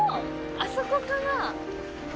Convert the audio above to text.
あそこかな？